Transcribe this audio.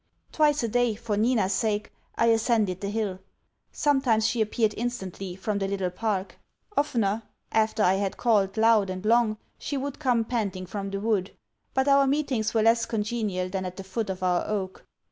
Twice a day, for Nina's sake, I ascended the hill. Sometimes she appeared instantly, from the little park. Oftner, after I had called loud, and long, she would come panting from the wood. But our meetings were less congenial than at the foot of our oak.